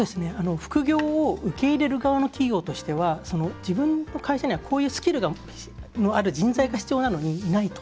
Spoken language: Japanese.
副業を受け入れる側の企業としては自分の会社にはこういうスキルのある人材が必要なのに、いないと。